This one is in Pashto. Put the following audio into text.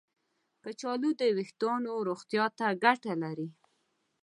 کچالو د ویښتانو روغتیا ته ګټه لري.